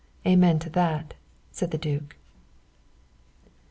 "Amen to that," said the duke.